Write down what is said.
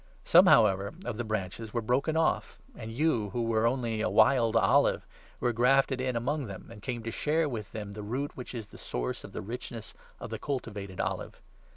Some, however, of the branches were broken off, and you, 17 who were only a wild olive, were grafted in among them, and came to share with them the root which is the source of the richness of the cultivated olive.